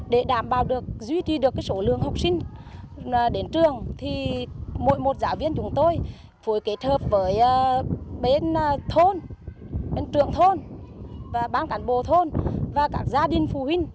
để đảm bảo được duy trì được số lượng học sinh đến trường thì mỗi một giáo viên chúng tôi phối kết hợp với bên thôn bên trường thôn và ban cán bộ thôn và các gia đình phụ huynh